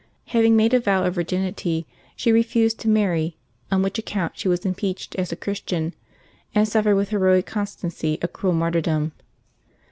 Having made a vow of virginity, she refused to marry, on which account she was impeached as a Christian, and suffered with heroic con stancy a cruel martyrdom.